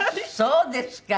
そうですか！